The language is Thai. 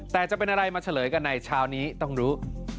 แต่จะเป็นอะไรมาเฉลยกันในเช้านี้ต้องรู้